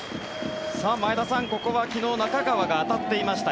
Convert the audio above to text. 前田さん、ここは昨日中川が当たっていました。